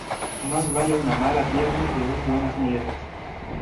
Más vale una mala pierna que dos buenas muletas.